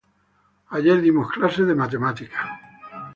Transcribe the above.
Ayer dimos clase de matemáticas.